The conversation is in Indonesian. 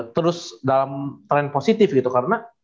terus dalam tren positif gitu karena